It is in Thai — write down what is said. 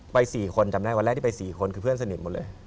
๔คนจำได้วันแรกที่ไป๔คนคือเพื่อนสนิทหมดเลย